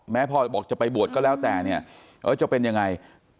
แม้พ่อบอกจะไปบวชก็แล้วแต่จะเป็นอย่างไร